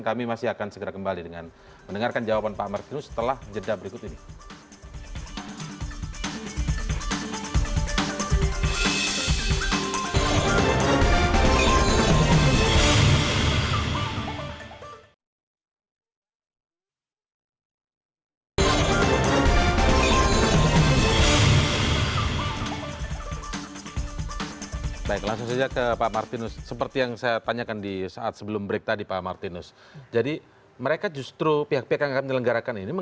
kami masih akan segera kembali dengan mendengarkan jawaban pak martinus setelah jeda berikut ini